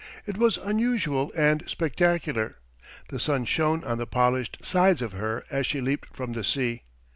It was unusual and spectacular. The sun shone on the polished sides of her as she leaped from the sea.